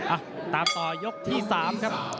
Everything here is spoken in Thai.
อ่ะตามต่อยกที่๓ครับ